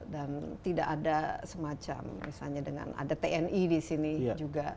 dan tidak ada semacam misalnya dengan ada tni disini juga